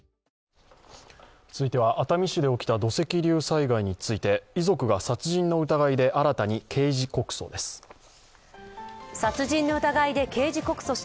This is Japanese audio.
続いては熱海市で起きた土石流災害について遺族が殺人の疑いで新たに刑事告訴です。